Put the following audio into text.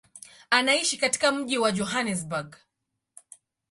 Anaishi katika mji wa Johannesburg.